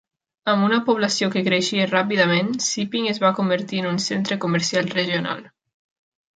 Amb una població que creixia ràpidament, Siping es va convertir en un centre comercial regional.